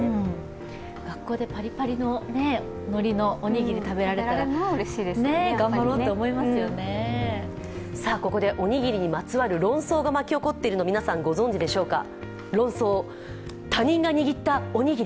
学校でパリパリののりのおにぎり食べられたらここでおにぎりにまつわる論争が巻き起こっているのを皆さんご存じでしょうか。